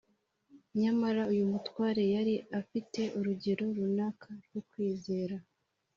Nyamara uyu mutware yari afite urugero runaka rwo kwizera